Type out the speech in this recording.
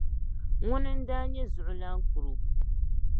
Ŋuni n daa nyɛ zuɣulan kuro.